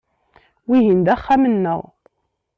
Wihin d axxam-nneɣ.